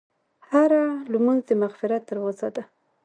هره لمونځ د مغفرت دروازه ده.